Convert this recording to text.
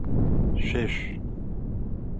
Шъуешъу!